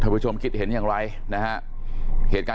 เธอผู้ชมคิดเห็นอย่างไรนะฮะ